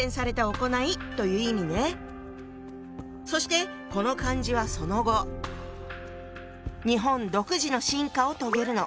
そしてこの漢字はその後日本独自の進化を遂げるの。